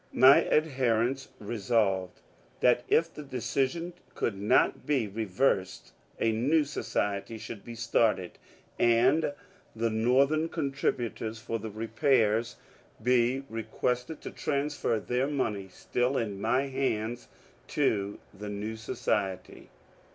My adherents resolved that if the decision could not be re versed a new Society should be started, and the Northern A CHURCH OF FREEDOM 243 contributors for the repairs be requested to transfer their money (still in my hands) to the new Society.